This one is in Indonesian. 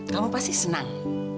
kamu pasti senang